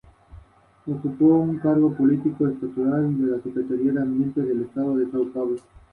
Además tuvo una mención honorífica All-American por Associated Press.